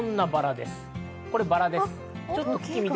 これ、バラです。